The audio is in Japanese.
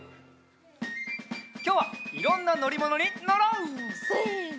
きょうはいろんなのりものにのろう！せの！